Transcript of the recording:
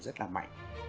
rất là mạnh